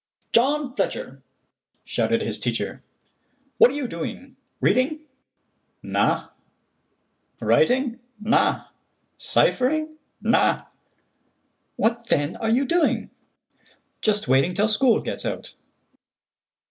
"John Fletcher," shouted his teacher, "what are you doing—reading?" "Na." "Writing?" "Na." "Ciphering?" "Na." "What then are you doing?" "Just waiting till school gets out."